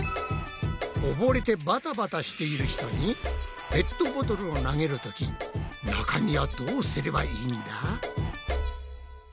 おぼれてバタバタしている人にペットボトルを投げる時中身はどうすればいいんだ？